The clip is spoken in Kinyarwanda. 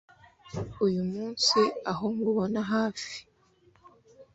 Uyu munsi aho nkubona hafi